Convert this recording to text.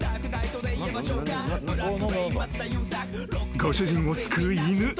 ［ご主人を救う犬。